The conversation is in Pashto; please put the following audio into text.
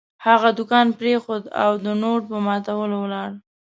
هغه دوکان پرېښود او د نوټ په ماتولو ولاړ.